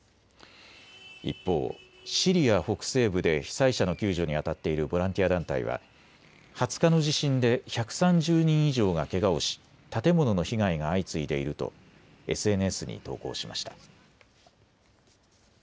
一方、シリア北西部で被災者の救助にあたっているボランティア団体は２０日の地震で１３０人以上がけがをし、建物の被害が相次いでいるとＳＮＳに投稿しました。